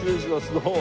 どうも。